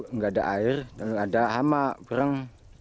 enggak ada air enggak ada hamawereng